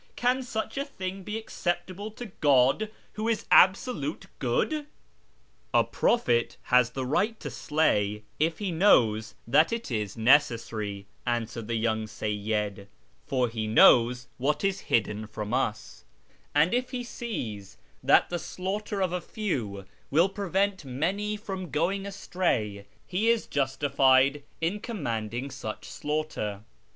Can such a thing be acceptable to God, who is Absolute Good ?" "A prophet has the right to slay if he knows that it is necessary," answered the young Seyyid, " for he knows what is hidden from us ; and if he sees that the slaughter of a few will prevent many from going astray, he is justified in commanding such slaughter.